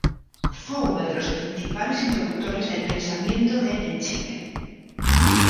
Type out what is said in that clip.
Fue uno de los principales introductores del pensamiento de en Chile.